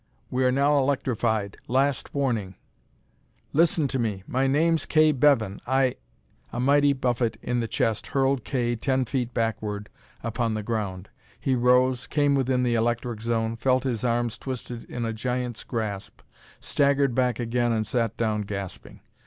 "We are now electrified. Last warning!" "Listen to me. My name's Kay Bevan. I " A mighty buffet in the chest hurled Kay ten feet backward upon the ground. He rose, came within the electric zone, felt his arms twisted in a giant's grasp, staggered back again and sat down gasping.